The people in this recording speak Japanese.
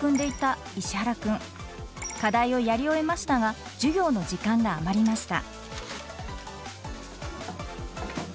課題をやり終えましたが授業の時間が余りました。